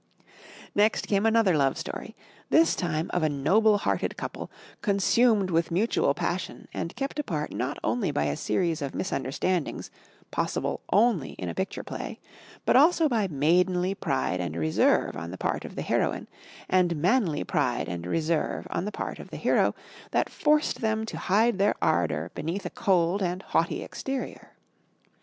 Next came another love story this time of a noble hearted couple, consumed with mutual passion and kept apart not only by a series of misunderstandings possible only in a picture play, but also by maidenly pride and reserve on the part of the heroine and manly pride and reserve on the part of the hero that forced them to hide their ardour beneath a cold and haughty exterior.